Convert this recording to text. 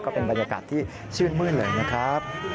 เป็นบรรยากาศที่ชื่นมื้นเลยนะครับ